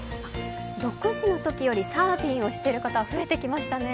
６時のときよりサーフィンをしている方、増えてきましたね。